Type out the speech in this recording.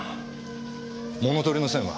物取りの線は？